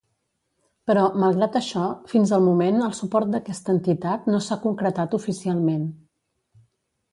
Però, malgrat això, fins al moment el suport d'aquesta entitat no s'ha concretat oficialment.